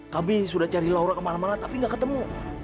kami sudah cari laura kemana mana tapi nggak ketemu